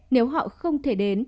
nếu họ không thể đến